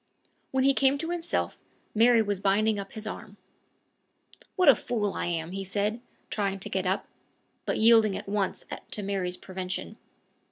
When he came to himself, Mary was binding up his arm. "What a fool I am!" he said, trying to get up, but yielding at once to Mary's prevention.